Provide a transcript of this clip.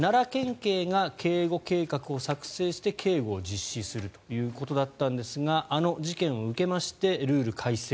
警が警護計画を作成して警護を実施するということだったんですがあの事件を受けましてルール改正。